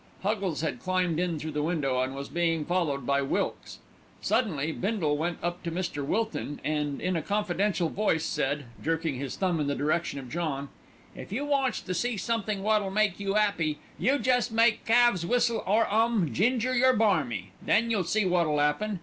Huggles had climbed in through the window and was being followed by Wilkes. Suddenly Bindle went up to Mr. Wilton and, in a confidential voice said, jerking his thumb in the direction of John: "If you wants to see somethink wot'll make you 'appy, you jest make Calves whistle or 'um, 'Ginger, You're Barmy,' then you see wot'll 'appen.